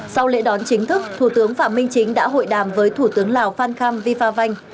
sau lễ đón chính thức thủ tướng phạm minh chính đã hội đàm với thủ tướng lào phan kham vifa vanh